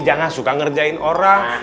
jangan suka ngerjain orang